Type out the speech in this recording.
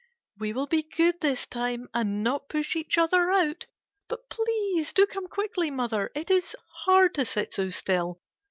We will be good this time and not push each other out. But please do come quickly, mother. It is hard to sit so still.